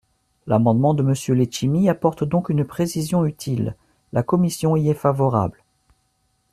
L’amendement de Monsieur Letchimy apporte donc une précision utile : la commission y est favorable.